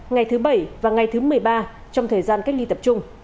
ngày thứ bảy và ngày thứ một mươi ba trong thời gian cách ly tập trung